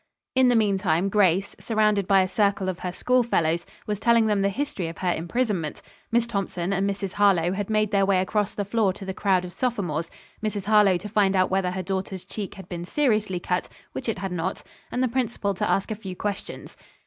In the meantime, Grace, surrounded by a circle of her school fellows, was telling them the history of her imprisonment. Miss Thompson and Mrs. Harlowe had made their way across the floor to the crowd of sophomores; Mrs. Harlowe to find out whether her daughter's cheek had been seriously cut, which it had not, and the principal to ask a few questions.